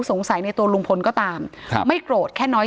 ถ้าใครอยากรู้ว่าลุงพลมีโปรแกรมทำอะไรที่ไหนยังไง